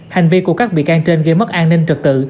hành vi của các bị can trên gây mất an ninh trật tự